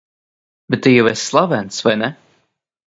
Bet tu jau esi slavens, vai ne?